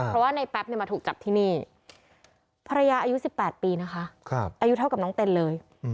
เพราะว่าในแป๊บมาถูกจับที่นี่ภรรยาอายุ๑๘ปีนะคะอายุเท่ากับน้องเต็นเลย